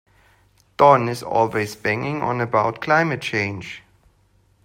Don is always banging on about climate change.